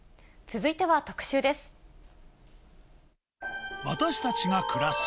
続いては特集です。